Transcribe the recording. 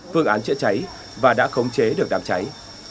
phương án chữa cháy và đã khống chế được đám cháy